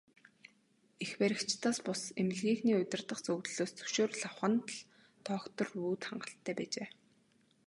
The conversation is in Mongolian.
Эрх баригчдаас бус, эмнэлгийнхээ удирдах зөвлөлөөс зөвшөөрөл авах нь л доктор Вүд хангалттай байжээ.